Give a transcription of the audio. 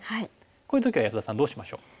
こういう時は安田さんどうしましょう？